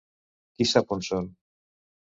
Qui sap on són?